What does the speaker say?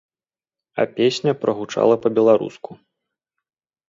А песня прагучала па-беларуску!